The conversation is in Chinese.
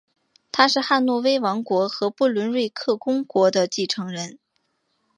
他是汉诺威王国和不伦瑞克公国的继承人。